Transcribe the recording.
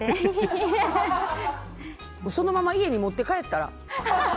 そのまま家に持って帰ったら？